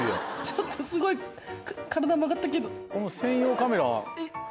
ちょっとすごい体曲がった気分。